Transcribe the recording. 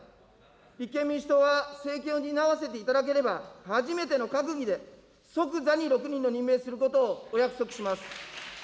立憲民主党は政権を担わせていただければ、初めての閣議で即座に６人の任命をすることをお約束します。